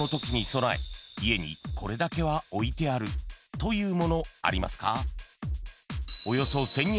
［家にこれだけは置いてあるというものありますか？］